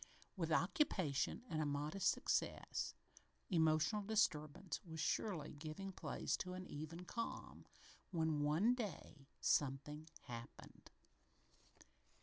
With occupation and a modest success, emotional disturbance was surely giving place to an even calm, when, one day, something happened.